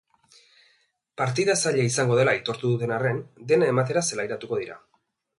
Partida zaila izango dela aitortu duten arren, dena ematera zelairatuko dira.